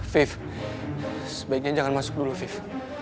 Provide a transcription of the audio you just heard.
viv sebaiknya jangan masuk dulu viv